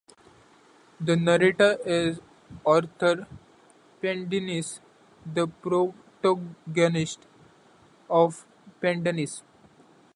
The narrator is Arthur Pendennis, the protagonist of "Pendennis".